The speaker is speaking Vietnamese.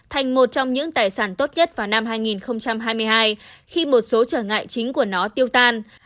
thành một trong những tài sản tốt nhất vào năm hai nghìn hai mươi hai khi một số trở ngại chính của nó tiêu tan